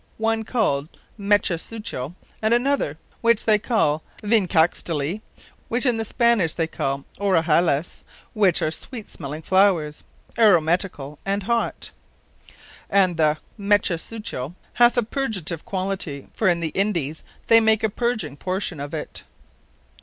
One called Mechasuchil; and another which they call Vinecaxtli, which in the Spanish they call Orejuelas, which are sweet smelling Flowers, Aromaticall and hot. And the Mechasuchil hath a Purgative quality; for in the Indies they make a purging portion of it.